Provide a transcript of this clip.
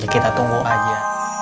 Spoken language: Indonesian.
ya kita tunggu aja